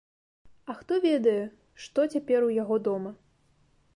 А хто ведае, што цяпер у яго дома?